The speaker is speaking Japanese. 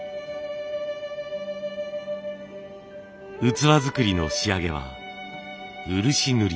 器作りの仕上げは漆塗り。